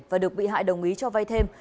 và được bị hại đồng ý cho vai thêm